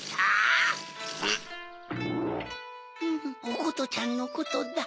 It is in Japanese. おことちゃんのことだ